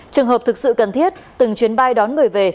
trường hợp thực sự cần thiết từng chuyến bay đón người về